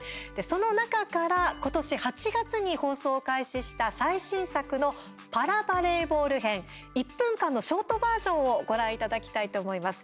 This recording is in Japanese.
その中から、今年８月に放送を開始した最新作のパラバレーボール編１分間のショートバージョンをご覧いただきたいと思います。